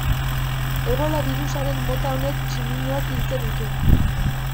Ebola birusaren mota honek tximinoak hiltzen ditu.